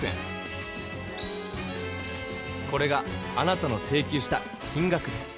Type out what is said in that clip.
これがあなたのせいきゅうした金額です！